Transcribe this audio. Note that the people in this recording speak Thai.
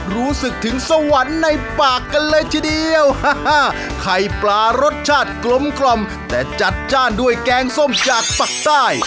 รู้สึกถึงสวรรค์ในปากกันเลยทีเดียวไข่ปลารสชาติกลมกล่อมแต่จัดจ้านด้วยแกงส้มจากปากใต้